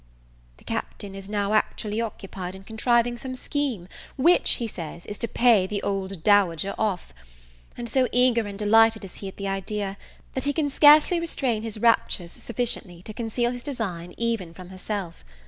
The Captain is now actually occupied in contriving some scheme, which, he says, is to pay the old Dowager off; and so eager and delighted is he at the idea, that he can scarcely restrain his raptures sufficiently to conceal his design even from herself.